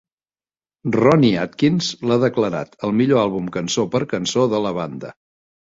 Ronnie Atkins l'ha declarat el "millor àlbum cançó per cançó" de la banda.